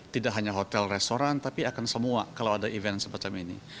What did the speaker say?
tidak hanya hotel restoran tapi akan semua kalau ada event semacam ini